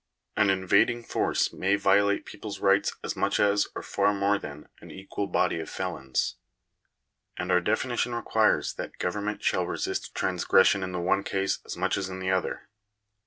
An invading force may violate people's rights as much as, or far more than, an equal body of felons ; and our definition requires that government shall resist transgression in the one case as much as in the other.